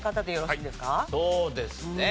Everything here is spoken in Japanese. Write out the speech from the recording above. そうですね。